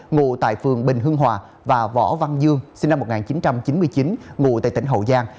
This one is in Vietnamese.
ngụ tại phường bình hưng hòa và võ văn dương sinh năm một nghìn chín trăm chín mươi chín ngụ tại tỉnh hậu giang